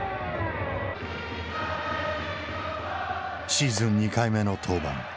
シーズン２回目の登板。